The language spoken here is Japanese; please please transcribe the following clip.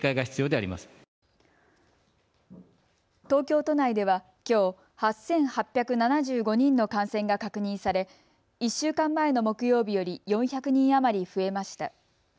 東京都内ではきょう、８８７５人の感染が確認され１週間前の木曜日より４００人余り増えました。